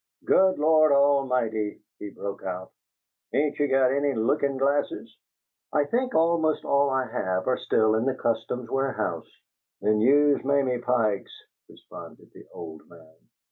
"Good Lord Admighty!" he broke out. "Ain't you got any lookin' glasses?" "I think almost all I have are still in the customs warehouse." "Then use Mamie Pike's," responded the old man.